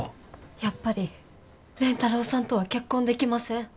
やっぱり蓮太郎さんとは結婚できません。